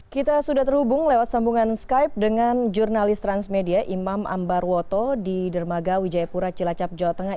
kita sudah terhubung lewat sambungan skype dengan jurnalis transmedia imam ambarwoto di dermaga wijayapura cilacap jawa tengah